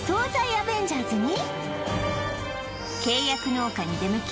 アベンジャーズに契約農家に出向き